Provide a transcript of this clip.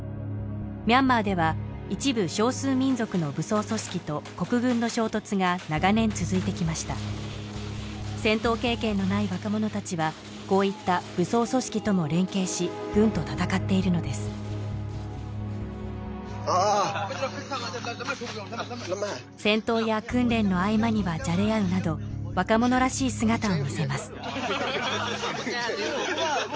ミャンマーでは一部少数民族の武装組織と国軍の衝突が長年続いてきました戦闘経験のない若者たちはこういった武装組織とも連携し軍と闘っているのです戦闘や訓練の合間にはじゃれ合うなど若者らしい姿を見せます